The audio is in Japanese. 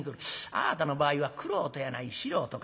あぁたの場合は玄人やない素人か。